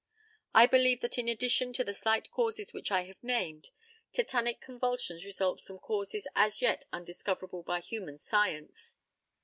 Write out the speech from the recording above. I believe that in addition to the slight causes which I have named, tetanic convulsions result from causes as yet undiscoverable by human science.